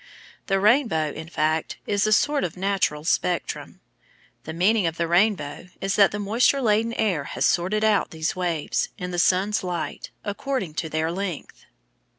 The rainbow, in fact, is a sort of natural spectrum. (The meaning of the rainbow is that the moisture laden air has sorted out these waves, in the sun's light, according to their length.)